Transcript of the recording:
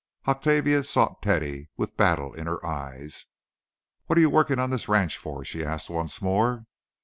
Octavia sought Teddy, with battle in her eye. "What are you working on this ranch for?" she asked once more.